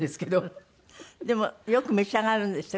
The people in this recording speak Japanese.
でもよく召し上がるんですって？